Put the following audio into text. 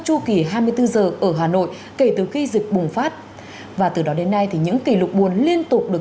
chu kỳ hai mươi bốn giờ ở hà nội kể từ khi dịch bùng phát và từ đó đến nay thì những kỷ lục buồn liên tục được